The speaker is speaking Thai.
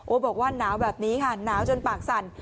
บอกว่าหนาวแบบนี้ค่ะหนาวจนปากสั่น